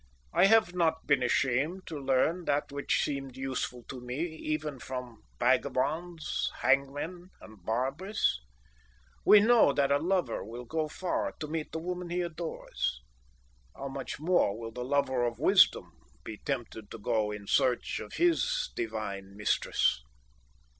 I have not been ashamed to learn that which seemed useful to me even from vagabonds, hangmen, and barbers. We know that a lover will go far to meet the woman he adores; how much more will the lover of Wisdom be tempted to go in search of his divine mistress."